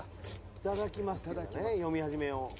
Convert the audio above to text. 「“いただきます！”からね読み始めを」